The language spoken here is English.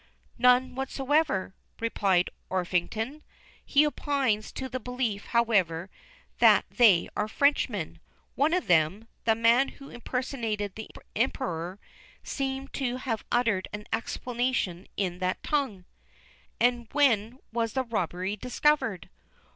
"None whatever," replied Orpington. "He opines to the belief, however, that they are Frenchmen. One of them, the man who impersonated the Emperor, seems to have uttered an exclamation in that tongue." "And when was the robbery discovered?"